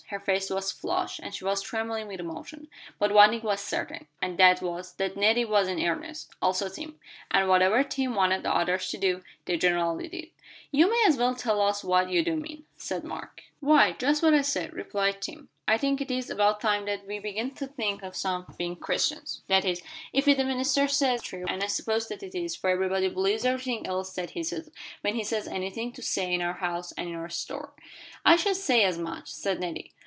Her face was flushed, and she was trembling with emotion, but one thing was certain, and that was that Nettie was in earnest also Tim; and whatever Tim wanted the others to do they generally did. "You may as well tell us what you do mean," said Mark. [Illustration: "We might sign a paper."] "Why, just what I said," replied Tim. "I think it is about time that we began to think some of being Christians that is, if what the minister says is true, and I suppose that it is, for everybody believes everything else that he says, when he has anything to say in our house and in the store." "I should say as much," said Nettie.